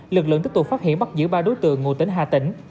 lực lượng tiếp tục phát hiện bắt giữ ba đối tượng ngụ tỉnh hà tĩnh